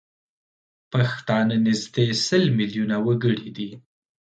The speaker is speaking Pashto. پښتانه نزدي سل میلیونه وګړي دي